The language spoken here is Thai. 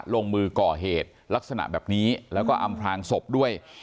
ลงมือก่อเหตุลักษณะแบบนี้แล้วก็อำพลางศพด้วย